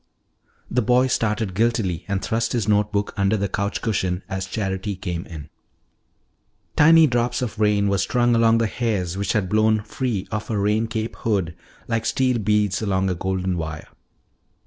The boy started guiltily and thrust his note book under the couch cushion as Charity came in. Tiny drops of rain were strung along the hairs which had blown free of her rain cape hood like steel beads along a golden wire.